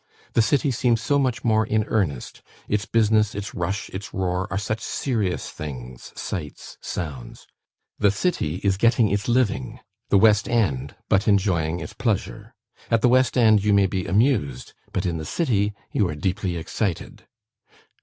The City seems so much more in earnest; its business, its rush, its roar, are such serious things, sights, sounds. The City is getting its living the West End but enjoying its pleasure. At the West End you may be amused; but in the City you are deeply excited."